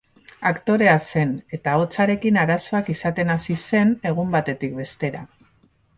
Aktorea zen, eta ahotsarekin arazoak izaten hasi zen, egun batetik bestera.